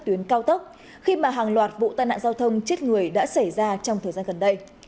tuyến cao tốc khi mà hàng loạt vụ tai nạn giao thông chết người đã xảy ra trong thời gian gần đây